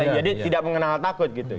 jadi tidak mengenal takut